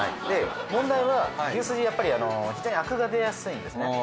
で問題は牛すじやっぱり非常にアクが出やすいんですね。